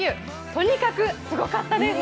とにかくすごかったです。